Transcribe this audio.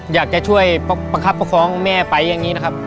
อยากจะช่วยประคับประคองแม่ไปอย่างนี้นะครับ